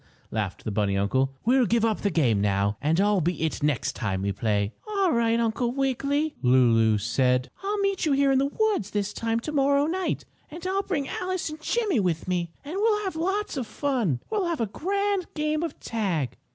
laughed the bunny uncle. "We'll give up the game now, and I'll be 'it' next time when we play." "Ail right, Uncle Wiggily," said Lulu. "I'll meet you here in the woods at this time tomorrow night, and I'll bring Alice and Jimmie with me, and we'll have lots of fun. We'll have a grand game of tag!"